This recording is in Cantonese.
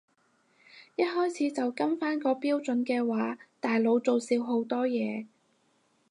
一開始就跟返個標準嘅話大佬做少好多嘢